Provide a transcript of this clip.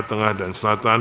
tengah dan selatan